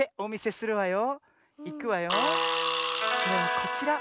こちら。